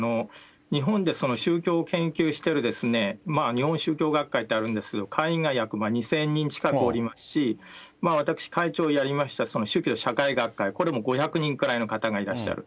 日本で宗教を研究している日本宗教学会ってあるんですけど、会員が約２０００人近くおりますし、私、会長をやりましたけど、宗教社会学会、これも５００人くらいの方がいらっしゃる。